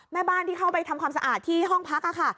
แม่บ้านที่เข้าไปทำความสะอาดที่ห้องพักค่ะ